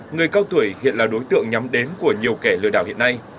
người cao tuổi hiện là đối tượng nhắm đến của nhiều kẻ lừa đảo hiện nay